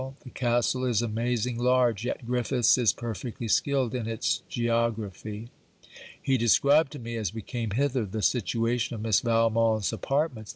The castle is amazing large, yet Griffiths is perfectly skilled in its geography. He described to me, as we came hither, the situation of Miss Valmont's apartments.